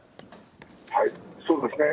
はい、そうですね。